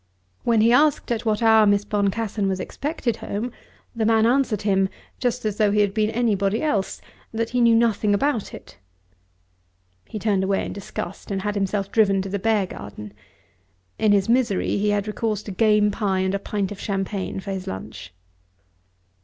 When he asked at what hour Miss Boncassen was expected home, the man answered him, just as though he had been anybody else, that he knew nothing about it. He turned away in disgust, and had himself driven to the Beargarden. In his misery he had recourse to game pie and a pint of champagne for his lunch.